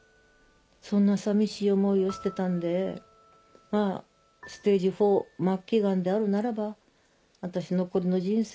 そんな寂しい思いをしてたんでステージ４末期がんであるならば私の残りの人生